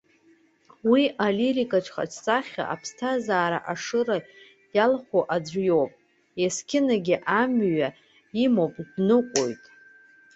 Уи илирикатә хаҿсахьа аԥсҭазаара ашыра иалахәу аӡә иоуп, есқьынагьы амҩа имоуп, дныҟәоит.